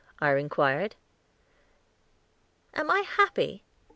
I inquired. "Am I happy?"